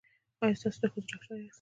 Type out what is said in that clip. ایا تاسو د ښځو ډاکټر یاست؟